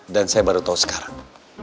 dan saya baru tau sekarang